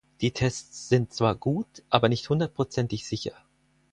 Die Tests sind zwar gut, aber nicht hundertprozentig sicher.